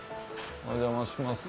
お邪魔します。